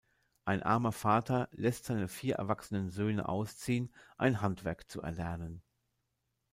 Ein armer Vater lässt seine vier erwachsenen Söhne ausziehen, ein Handwerk zu erlernen.